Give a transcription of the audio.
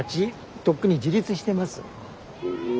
とっくに自立してます。